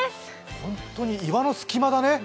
本当に岩の隙間だね。